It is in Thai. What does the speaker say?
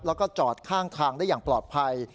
แล้วก็จอดข้างทางได้อย่างปลอดภัย